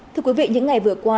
thưa quý vị những ngày vừa qua